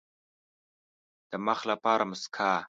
د مخ لپاره موسکا.